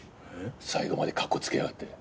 最後までかっこつけやがって。